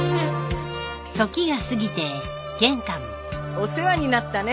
お世話になったね